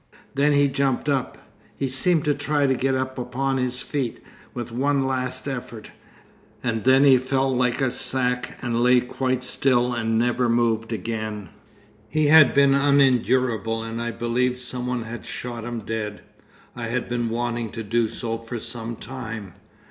'Then he jumped up—he seemed to try to get up upon his feet with one last effort; and then he fell like a sack and lay quite still and never moved again. 'He had been unendurable, and I believe some one had shot him dead. I had been wanting to do so for some time....